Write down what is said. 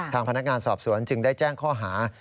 ทางพนักงานสอบสวนจึงได้แจ้งข้อหา